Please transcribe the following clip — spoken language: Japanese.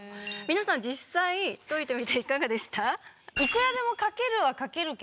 皆さん実際解いてみていかがでした？